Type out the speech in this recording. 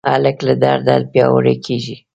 هلک له درده پیاوړی کېږي.